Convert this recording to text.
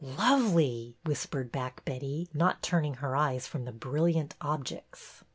'' Lovely! " whispered back Betty, not turning her eyes from the brilliant objects.